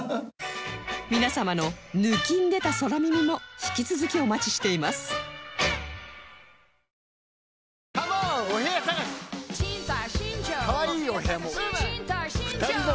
皆様の抜きんでた空耳も引き続きお待ちしていますねえー！